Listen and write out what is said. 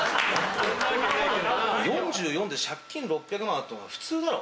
４４で借金６００万あるって普通だろ。